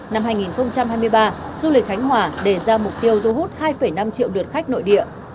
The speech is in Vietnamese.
năm hai nghìn hai mươi ba du lịch khánh hòa đề ra mục tiêu thu hút hai năm triệu lượt khách nội địa